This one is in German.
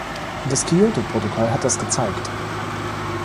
Das Kyoto-Protokoll hat das gezeigt.